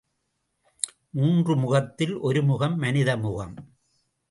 மூன்று முகத்தில் ஒரு முகம் மனித முகம்.